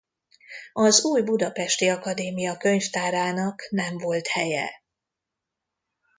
Az új budapesti akadémia könyvtárának nem volt helye.